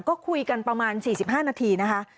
ก็คุยกันประมาณ๔๕นาทีนะคะ